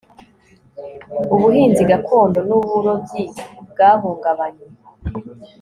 ubuhinzi gakondo n'uburobyi bwahungabanye